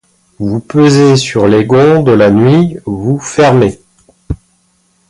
Vous pesez sur les gonds de la nuit, vous fermez